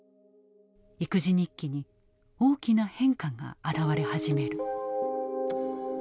育児日記に大きな変化が現れ始める。